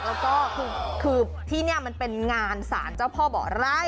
แล้วก็คือที่นี่มันเป็นงานสารเจ้าพ่อบ่อไร่